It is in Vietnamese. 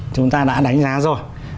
chúng ta đã đánh giá rồi